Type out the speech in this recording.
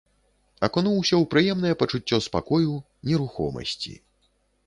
Акунуўся ў прыемнае пачуццё спакою, нерухомасці.